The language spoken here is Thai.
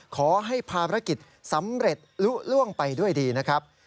ขอให้ภารกิจสำเร็จลุล่วงไปด้วยดีนะครับ